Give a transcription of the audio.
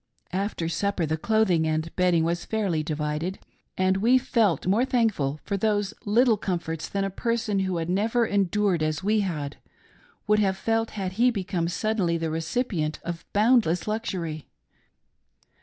After supper, the clothing and bedding was fairly divided, and we felt more thankful for those little comforts than a person, who had never endured as we had, would have felt had he become suddenly the recipient of boundless luxury.